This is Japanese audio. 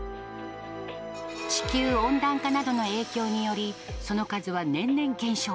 地球温暖化などの影響により、その数は年々減少。